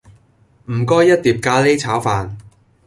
唔該一碟咖哩炒飯